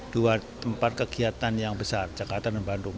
dua tempat kegiatan yang besar jakarta dan bandung